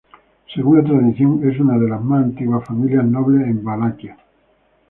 Según la tradición, es una de las más antiguas familias nobles en Valaquia.